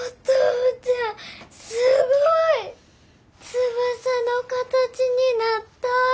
翼の形になった！